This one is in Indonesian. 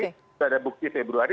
sudah ada bukti februari